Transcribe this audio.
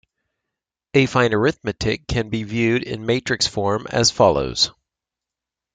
Affine arithmetic can be viewed in matrix form as follows.